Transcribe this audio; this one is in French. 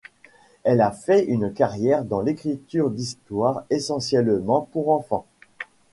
Elle a fait une carrière dans l'écriture d'histoires essentiellement pour enfants.